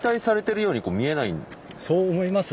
でもそう思います？